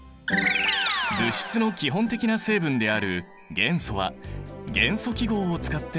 物質の基本的な成分である元素は元素記号を使って表す。